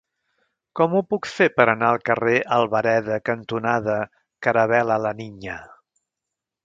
Com ho puc fer per anar al carrer Albareda cantonada Caravel·la La Niña?